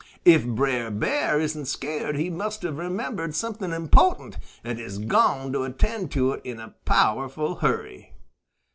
If Brer Bear isn't scared, he must have remembered something impo'tant and has gone to attend to it in a powerful hurry."